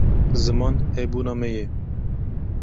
ziman hebûna me ye